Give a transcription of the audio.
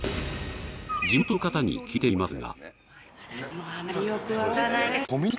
地元の方に聞いてみますが。